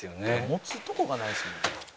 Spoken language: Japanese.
「持つとこがないですもん」